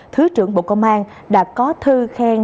thứ trưởng bộ công an đã có thư khen